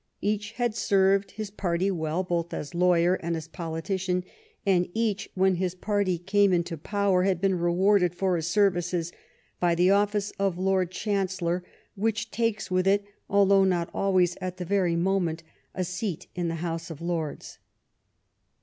Each had served his party well both as lawyer and as politician, and each, when his party came into power, had been rewarded for his services by the office of Lord Chancellor, which takes with it, although not always at the very moment, a seat in the House of Lords.